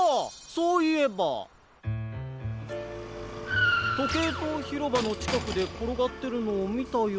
そういえば。とけいとうひろばのちかくでころがってるのをみたような。